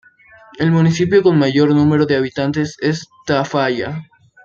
El municipio con mayor número de habitantes es Tafalla.